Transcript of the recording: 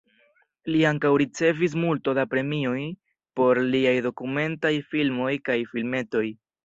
Li ankaŭ ricevis multo da premioj por liaj dokumentaj filmoj kaj filmetoj.